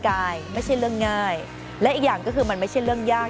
กายไม่ใช่เรื่องง่ายและอีกอย่างก็คือมันไม่ใช่เรื่องยาก